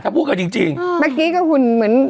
ถ้าพูดแบบจริงจริงอืมเมื่อกี้ก็คุณเหมือนม๒๐๑๔